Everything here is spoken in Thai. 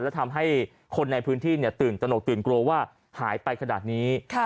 และทำให้คนในพื้นที่ตื่นตนกตื่นกลัวว่าหายไปขนาดนี้